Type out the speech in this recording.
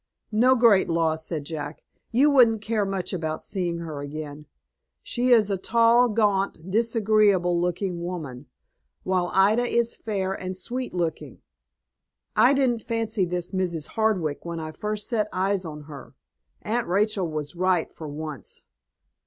"No great loss," said Jack. "You wouldn't care much about seeing her again. She is a tall, gaunt, disagreeable looking woman; while Ida is fair, and sweet looking. I didn't fancy this Mrs. Hardwick when I first set eyes on her. Aunt Rachel was right, for once."